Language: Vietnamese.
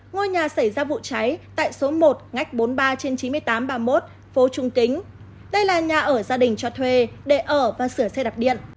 ngôi nhà xảy ra vụ cháy tại số một ngách bốn mươi ba trên chín mươi tám ba mươi một phố trung kính đây là nhà ở gia đình cho thuê để ở và sửa xe đạp điện